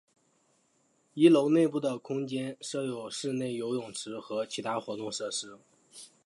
一楼内部的空间设有室内游泳池和其他活动设施。